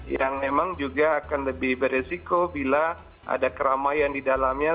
yang memang juga akan lebih beresiko bila ada keramaian di dalamnya